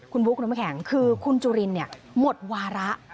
คุณบุ๊คคุณมะแข็งคือคุณจุรินเนี่ยหมดวาระ